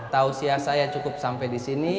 tausiah saya cukup sampai di sini